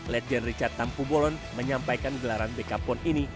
legend richard tampu bolon menyampaikan gelaran bk pon ini